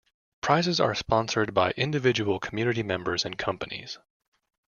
Prizes are sponsored by individual community members and companies.